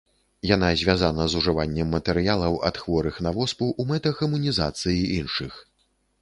Яна звязана з ужываннем матэрыялаў ад хворых на воспу ў мэтах імунізацыі іншых.